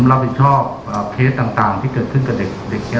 รับผิดชอบอ่าเคสต่างที่เกิดขึ้นกับเด็กเด็กเงี้ย